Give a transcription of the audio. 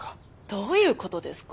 どういう事ですか？